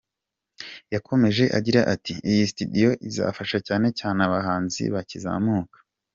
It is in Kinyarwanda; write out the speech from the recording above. Yakomeje agira ati: “ Iyi studio izafasha cyane cyane abahanzi bakizamuka.